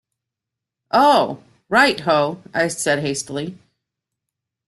"Oh, right ho," I said hastily.